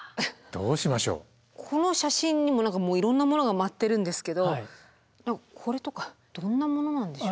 この写真にもいろんなものが舞ってるんですけどこれとかどんなものなんでしょう。